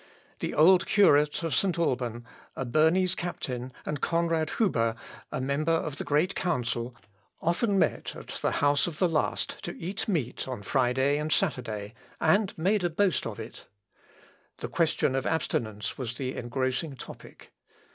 The old curate of St. Alban, a Bernese captain, and Conrad Huber, a member of the great Council, often met at the house of the last to eat meat on Friday and Saturday, and made a boast of it. The question of abstinence was the engrossing topic.